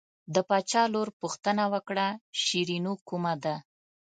د باچا لور پوښتنه وکړه شیرینو کومه ده.